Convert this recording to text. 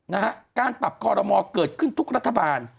นะฮะการปรับคอรมอเกิดขึ้นทุกรัฐบาล